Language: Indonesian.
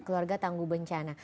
keluarga tangguh bencana